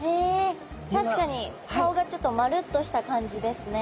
確かに顔がちょっと丸っとした感じですね。